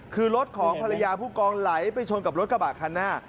คือรถของภรรยาผู้กองไหลไปชนกับรถกระบะคันหน้า